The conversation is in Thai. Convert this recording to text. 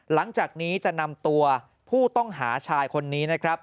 หลังจากนี้จะนำตัวผู้ต้องหาชายคนนี้นะครับ